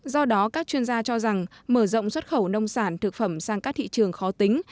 do đó các chuyên gia cho rằng mở rộng xuất khẩu nông sản thực phẩm sang các thị trường khó tính